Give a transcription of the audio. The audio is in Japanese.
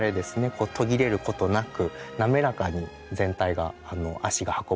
こう途切れることなく滑らかに全体が足が運ばれているか